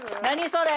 それ！